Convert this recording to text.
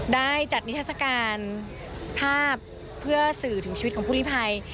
ได้จัดนิทัศกาลภาพเพื่อสื่อถึงชีวิตของผู้ลิภัย